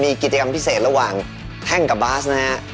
มีกิจกรรมพิเศษระหว่างแท่งกับบาสนะฮะ